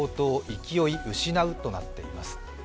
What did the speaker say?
勢い失うとなっています。